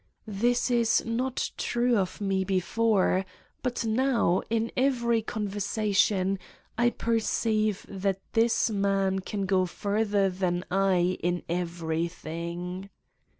This is not true of me before, but now, in every conversation, I perceive that this man can go further than I in everything.